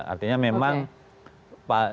artinya memang pak